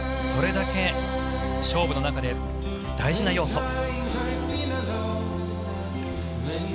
それだけ勝負の中で大事な要素。